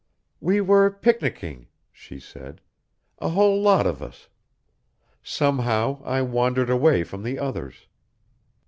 "We were picnicking," she said. "A whole lot of us. Somehow, I wandered away from the others...."